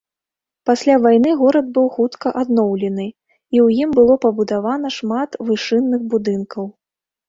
Пасля вайны горад быў хутка адноўлены, і ў ім было пабудавана шмат вышынных будынкаў.